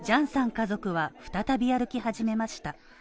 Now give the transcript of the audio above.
家族は再び歩き始めました。